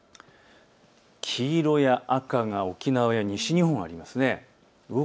黄色や赤が沖縄や西日本にあります。